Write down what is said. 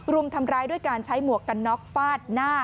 รุมทำร้ายด้วยการใช้หมวกกันน็อกฟาดหน้า